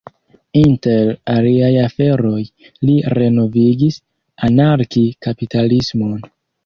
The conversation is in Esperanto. Inter aliaj aferoj, li renovigis anarki-kapitalismon.